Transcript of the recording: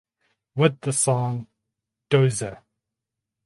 With the song "Dozer".